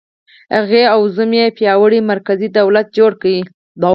هغې او زوم یې پیاوړی مرکزي دولت جوړ کړ.